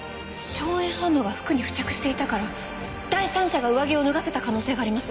硝煙反応が服に付着していたから第三者が上着を脱がせた可能性があります。